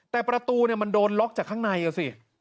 แต่ประตูมันโดนล็อกจากข้างในอ่ะสิ